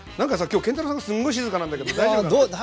今日建太郎さんがすんごい静かなんだけど大丈夫かな？